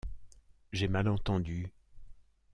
J’ai mal entendu.